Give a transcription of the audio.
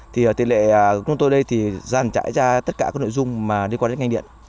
tiền lệ của chúng tôi đây thì dàn trải ra tất cả các nội dung liên quan đến ngành điện